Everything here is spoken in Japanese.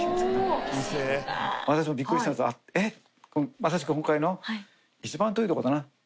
まさしく今回の一番遠いとこだな。